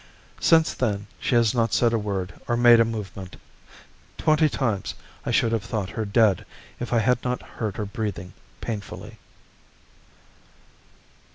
Since then she has not said a word or made a movement. Twenty times I should have thought her dead if I had not heard her breathing painfully.